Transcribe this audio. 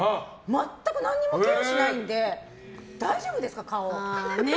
全く何もケアしないので大丈夫ですか、顔。